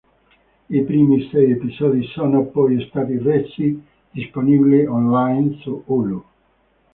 I primi sei episodi sono poi stati resi disponibili online su Hulu.